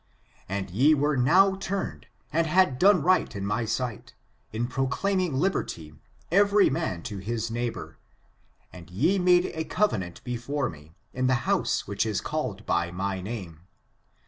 And ye were now turned, and had done right in my sight, in pro claiming liberty, every man to his neighbor, and ye made a covenant before me, in the house which is called by my name.